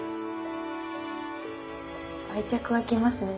愛着湧きますね